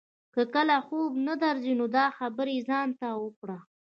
که کله خوب نه درځي نو دا خبرې ځان ته وکړه.